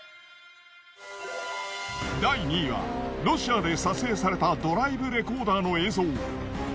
第２位はロシアで撮影されたドライブレコーダーの映像。